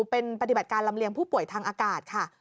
เป็นปฏิบัติการลำเลียงผู้ป่วยทางอากาศค่ะ